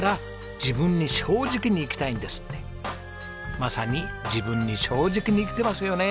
まさに自分に正直に生きてますよね！